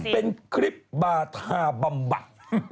เป็นคลิปบาธาบำบัด